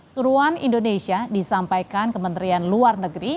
seruan indonesia disampaikan kementerian luar negeri